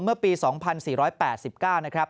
เมื่อปี๒๔๘๙นะครับ